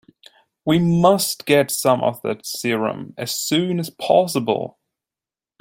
We must get some of that serum as soon as possible.